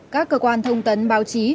các cơ quan thông tấn báo chí